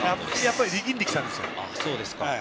力んできたんですよ。